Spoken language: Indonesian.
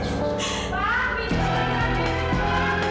kamu ngapain di sini